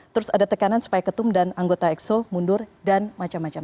terus ada tekanan supaya ketum dan anggota exo mundur dan macam macam